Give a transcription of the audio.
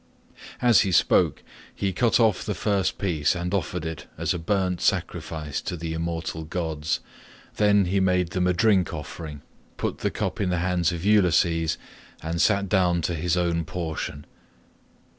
As he spoke he cut off the first piece and offered it as a burnt sacrifice to the immortal gods; then he made them a drink offering, put the cup in the hands of Ulysses, and sat down to his own portion.